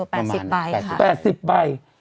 ประมาณ๘๐ใบ